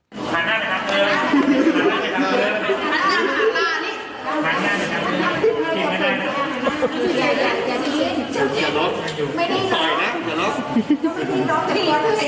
เนี่ยต้องเข้าหน้าจักร